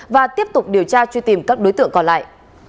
và tiếp tục điều tra truy tìm các đối tượng còn lại